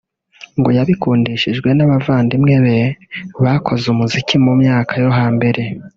ngo yabikundishijwe n’abavandimwe be bakoze umuziki mu myaka yo hambere